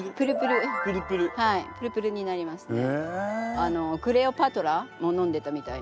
あのクレオパトラも飲んでたみたいね。